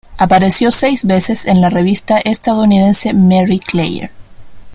Apareció seis veces en la revista estadounidense Marie Claire.